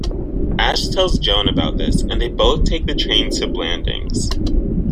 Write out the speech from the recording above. Ashe tells Joan about this, and they both take the train to Blandings.